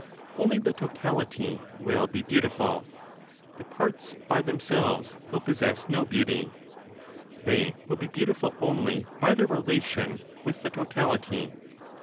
Only the totality will be beautiful; the parts by themselves will possess no beauty; they will be beautiful only by their relation with the totality.